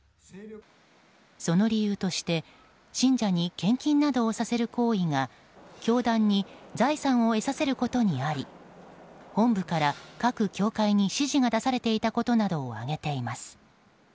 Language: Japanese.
その理由として信者に献金などをさせる行為が教団に財産を得させることにあり本部から各教会に指示が出されていたことなどを挙げています。